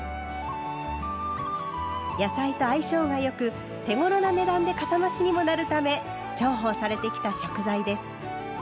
野菜と相性が良く手ごろな値段でかさ増しにもなるため重宝されてきた食材です。